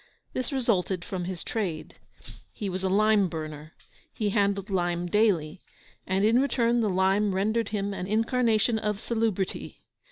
This resulted from his trade. He was a lime burner; he handled lime daily; and in return the lime rendered him an incarnation of salubrity.